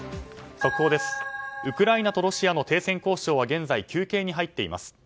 ウクライナとロシアの停戦交渉は現在、休憩に入っています。